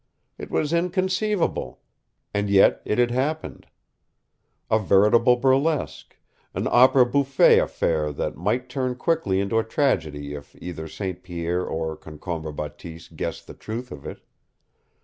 It was inconceivable and yet it had happened; a veritable burlesque, an opera bouffe affair that might turn quickly into a tragedy if either St. Pierre or Concombre Bateese guessed the truth of it.